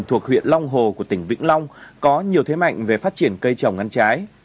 thuộc huyện long hồ của tỉnh vĩnh long có nhiều thế mạnh về phát triển cây trồng ngăn trái